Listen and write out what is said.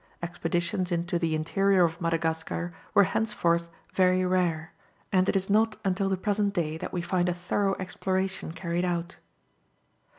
Expeditions into the interior of Madagascar were henceforth very rare, and it is not until the present day that we find a thorough exploration carried out.